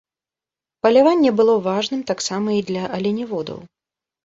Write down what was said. Паляванне было важным таксама і для аленяводаў.